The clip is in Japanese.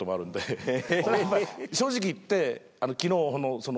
正直言って。